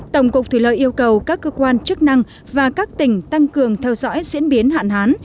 tổng cục thủy lợi yêu cầu các cơ quan chức năng và các tỉnh tăng cường theo dõi diễn biến hạn hán